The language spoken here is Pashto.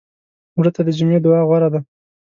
مړه ته د جمعې دعا غوره ده